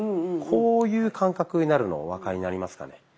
こういう感覚になるのお分かりになりますかね。